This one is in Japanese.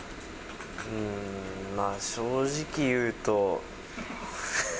まあ、正直言うと。